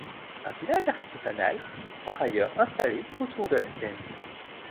Un village artisanal est par ailleurs installé autour de la scène.